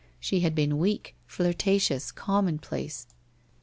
Bhe had been weak, flirtations, commonplace.